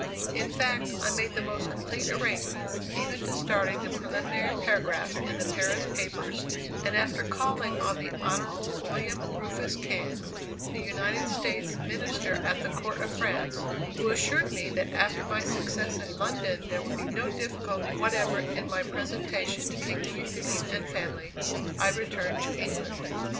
In fact, I made the most complete arrangements, even to starting the preliminary paragraphs in the Paris papers; and after calling on the Honorable William Rufus King, the United States Minister at the Court of France who assured me that after my success in London there would be no difficulty whatever in my presentation to King Louis Philippe and family I returned to England.